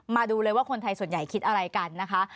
มาดูเลยว่าคนไทยส่วนใหญ่คิดอะไรกันนะคะ